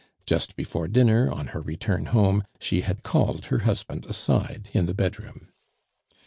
Just before dinner, on her return home, she had called her husband aside in the bedroom.